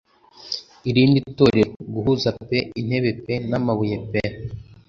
Irindi torero: guhuza pe intebe pe n'amabuye pe